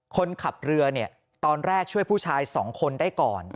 คนขับเรือเนี่ยตอนแรกช่วยผู้ชาย๒คนได้ก่อน